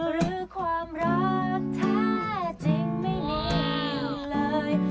หรือความรักแท้จริงไม่มีอีกเลย